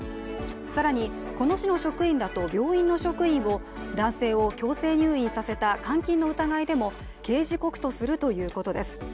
更に、この市の職員らと病院の職員を男性を強制入院させた監禁の疑いでも刑事告訴するということです。